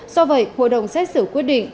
do vậy hội đồng xét xử quyết định